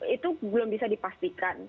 itu belum bisa dipastikan